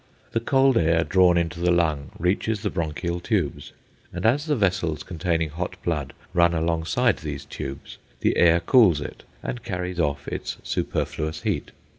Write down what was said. The cold air drawn into the lung reaches the bronchial tubes, and as the vessels containing hot blood run alongside these tubes, the air cools it and carries off its superfluous heat.